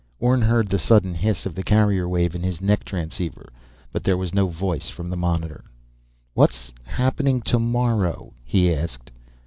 Orne heard the sudden hiss of the carrier wave in his neck transceiver, but there was no voice from the monitor. "What's ... happening ... tomorrow?" he asked.